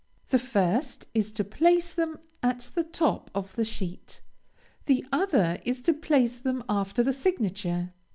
The first is to place them at the top of the sheet, the other is to place them after the signature.